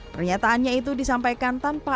pernyataannya itu disampaikan tanpa